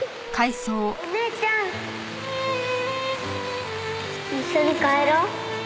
お姉ちゃん一緒に帰ろう。